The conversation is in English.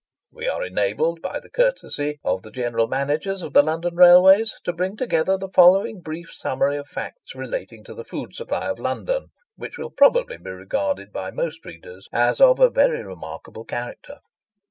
We are enabled by the courtesy of the General Managers of the London railways to bring together the following brief summary of facts relating to the food supply of London, which will probably be regarded by most readers as of a very remarkable character.